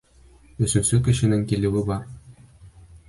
Өсөнсө кешенең килеүе бар.